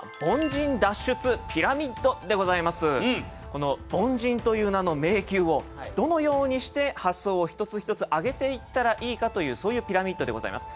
この凡人という名の迷宮をどのようにして発想を一つ一つ上げていったらいいかというそういうピラミッドでございます。